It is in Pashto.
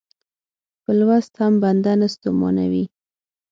په لوست هم بنده نه ستومانوي.